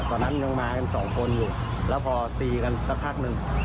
ตอนนั้นยังมากันสองคนอยู่แล้วพอตีกันสักพักหนึ่ง